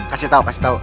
kasih tau kasih tau